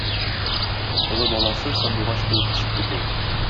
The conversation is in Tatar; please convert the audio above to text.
Олы баласы сандугач булып очып китә.